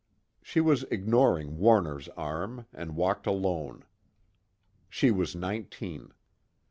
She was ignoring Warner's arm, and walked alone. She was nineteen.